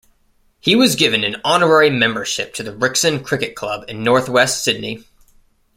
He was given an honorary membership to the Rickson Cricket Club in northwest Sydney.